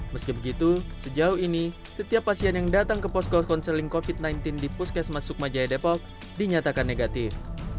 meski begitu sejauh ini setiap pasien yang datang ke posko konseling covid sembilan belas di puskesmas sukma jaya depok dinyatakan negatif